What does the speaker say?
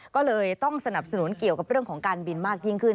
ก็เลยต้องสนับสนุนเกี่ยวกับเรื่องของการบินมากยิ่งขึ้น